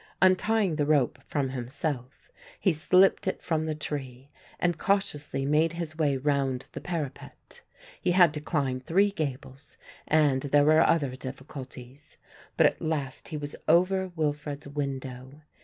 Untying the rope from himself, he slipped it from the tree and cautiously made his way round the parapet. He had to climb three gables and there were other difficulties, but at last he was over Wilfred's window.